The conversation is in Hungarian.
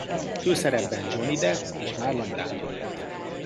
Főszerepben Johnny Depp és Marlon Brando.